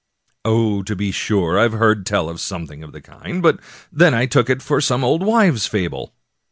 " Oh, to be sure, I've heard tell of something of the kind, but then I took it for some old wives' fable."